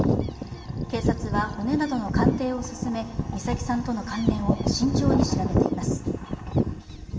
警察は、骨などの鑑定を進め、美咲さんとの関連を慎重に調べています。